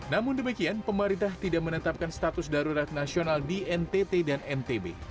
namun demikian pemerintah tidak menetapkan status darurat nasional di ntt dan ntb